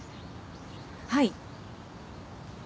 はい。